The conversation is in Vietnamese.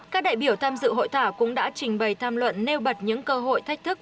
các đại biểu tham dự hội thảo cũng đã trình bày tham luận nêu bật những cơ hội thách thức